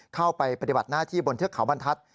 เข้าไปปฏิบัติหน้าที่บนเทือกขาวบรรทัศน์